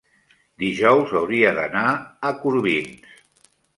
dijous hauria d'anar a Corbins.